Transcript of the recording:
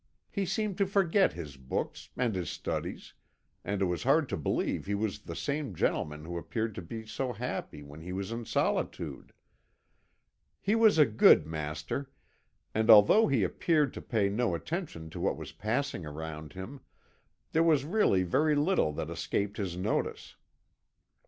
He seemed to forget his books, and his studies, and it was hard to believe he was the same gentleman who appeared to be so happy when he was in solitude. He was a good master, and although he appeared to pay no attention to what was passing around him, there was really very little that escaped his notice.